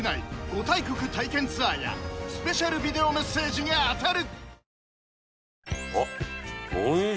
５大国体験ツアーやスペシャルビデオメッセージが当たる！